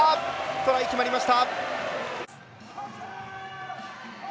トライ決まりました。